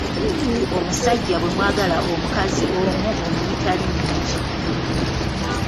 Omusajja bwe mwagala omukazi omu omuyita linnya ki?